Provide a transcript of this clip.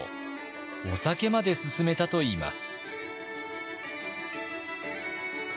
お酒まで勧めたといいます。